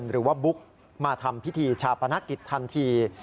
หรือว่าบุ๊กมาทำพิธีชาปนกิจทันที